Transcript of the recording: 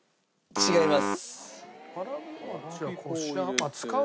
違います。